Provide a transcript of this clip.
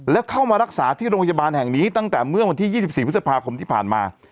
แล้วเข้ามารักษาที่โรงพยาบาลแห่งนี้ตั้งแต่เมื่อวันที่๒๔พฤษภาคมที่ผ่านมา